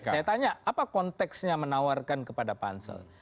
saya tanya apa konteksnya menawarkan kepada pansel